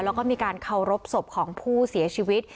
แล้วก็มีการเคารพศพของผู้เสียชีวิต